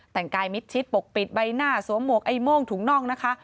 แต่งกายมิดชิดปกปิดใบหน้าสวมหมวกไอ้โม่งถุงน่องนะคะ